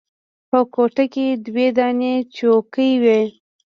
په کوټه کښې دوې دانې چوکۍ وې.